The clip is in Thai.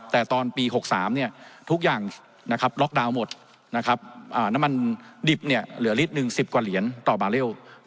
แต่ตอนปี๖๓ทุกอย่างล็อกดาวน์หมดนะครับน้ำมันดิบเหลือลิตรหนึ่ง๑๐กว่าเหรียญต่อบาร์เรล